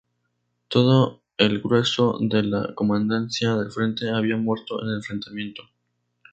Todo el grueso de la Comandancia del Frente había muerto en el enfrentamiento.